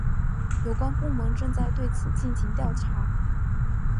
有关部门正在对此进行调查。